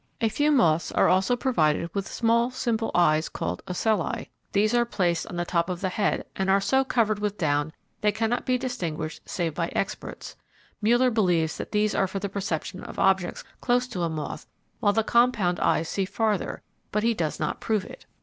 A few moths are also provided with small simple eyes called ocelli; these are placed on top of the head and are so covered with down they cannot be distinguished save by experts. Mueller believes that these are for the perception of objects close to a moth while the compound eyes see farther, but he does not prove it.